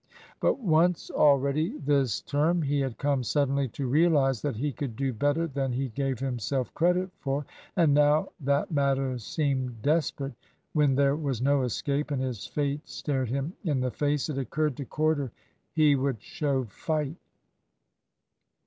But once already this term he had come suddenly to realise that he could do better than he gave himself credit for. And now that matters seemed desperate, when there was no escape, and his fate stared him in the face, it occurred to Corder he would show fight.